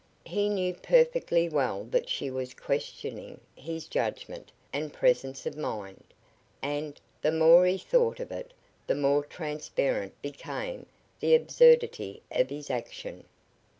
He knew perfectly well that she was questioning his judgment and presence of mind, and, the more he thought of it, the more transparent became the absurdity of his action.